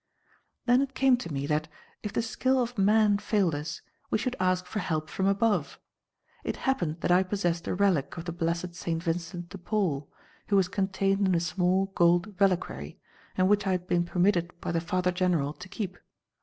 "Then it came to me that, if the skill of man failed us, we should ask for help from above. It happened that I possessed a relic of the blessed Saint Vincent de Paul, which was contained in a small gold reliquary, and which I had been permitted by the Father General to keep.